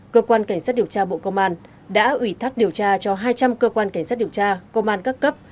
cơ quan cảnh sát điều tra bộ công an đã ủy thác điều tra cho hai trăm linh cơ quan cảnh sát điều tra công an các cấp